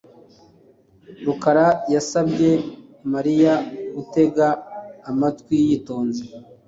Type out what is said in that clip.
Rukara yasabye Mariya gutega amatwi yitonze.